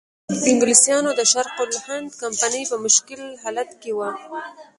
انګلیسانو د شرق الهند کمپنۍ په مشکل حالت کې وه.